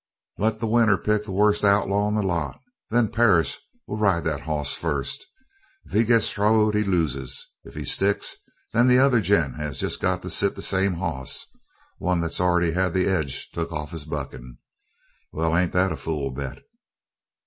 "Let the winner pick the worst outlaw in the lot. Then Perris will ride that hoss first. If he gets throwed he loses. If he sticks, then the other gent has just got to sit the same hoss one that's already had the edge took off his bucking. Well, ain't that a fool bet?"